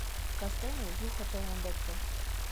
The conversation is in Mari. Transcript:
Кастене Юхо толын лекте.